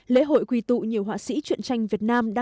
lễ hội quy tụ nhiều họa sĩ chuyện tranh việt nam